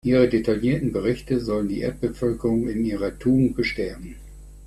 Ihre detaillierten Berichte sollen die Erdbevölkerung in ihrer Tugend bestärken.